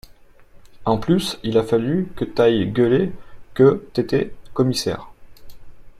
En plus il a fallu que t’ailles gueuler que t’étais commissaire